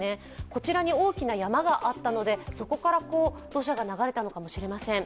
こちらに大きな山があったのでそこから土砂が流れたのかもしれません。